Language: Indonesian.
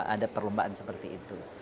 ada perlombaan seperti itu